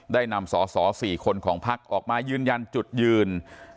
ได้นำสอสอ๔คนของพักออกมายืนยันจุดยืน